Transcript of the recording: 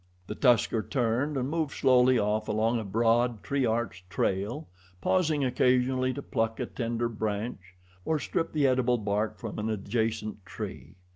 The tusker turned and moved slowly off along a broad, tree arched trail, pausing occasionally to pluck a tender branch, or strip the edible bark from an adjacent tree.